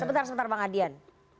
sebentar sebentar bang adrian